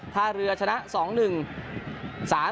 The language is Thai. ท่าเรือชนะ๒๑๓